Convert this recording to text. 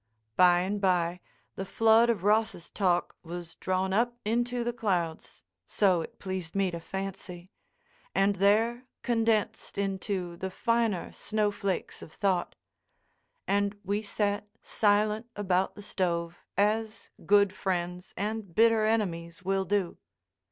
By and by, the flood of Ross's talk was drawn up into the clouds (so it pleased me to fancy) and there condensed into the finer snowflakes of thought; and we sat silent about the stove, as good friends and bitter enemies will do.